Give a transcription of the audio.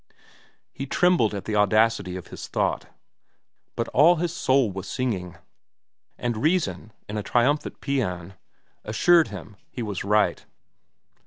He trembled at the audacity of his thought; but all his soul was singing, and reason, in a triumphant paean, assured him he was right.